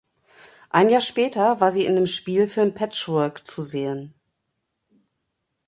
Ein Jahr später war sie in dem Spielfilm "Patchwork" zu sehen.